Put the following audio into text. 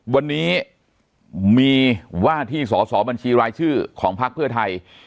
วันนี้มีว่าที่สอสอบัญชีรายชื่อของพักเพื่อไทย